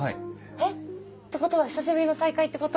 えっ！ってことは久しぶりの再会ってこと？